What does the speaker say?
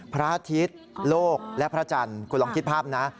พระอาทิตย์โลกและพระจันทร์คุณลองคิดภาพนะ